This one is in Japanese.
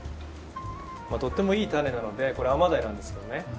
とってもいいタネなのでこれアマダイなんですけどね